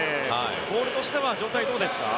ボールとしては状態はどうですか？